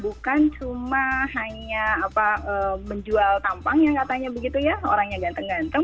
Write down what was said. bukan cuma hanya apa menjual tampangnya katanya begitu ya orangnya ganteng ganteng